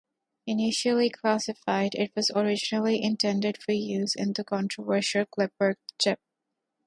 Initially classified, it was originally intended for use in the controversial Clipper chip.